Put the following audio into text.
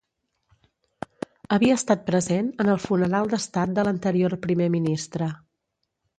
Havia estat present en el funeral d'estat de l'anterior Primer Ministre.